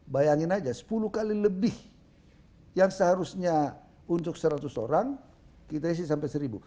bayangin aja sepuluh kali lebih yang seharusnya untuk seratus orang kita isi sampai seribu